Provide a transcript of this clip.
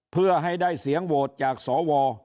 เพื่อให้ได้เสียงโหวตจากสว